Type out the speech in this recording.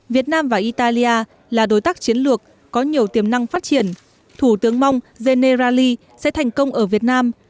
việt nam và italia là đối tác chiến lược có nhiều tiềm năng phát triển thủ tướng mong generali sẽ thành công ở việt nam